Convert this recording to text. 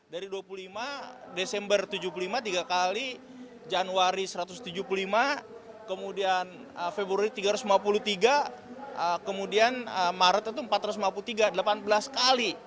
dari dua puluh lima desember tujuh puluh lima tiga kali januari satu ratus tujuh puluh lima kemudian februari tiga ratus lima puluh tiga kemudian maret itu empat ratus lima puluh tiga delapan belas kali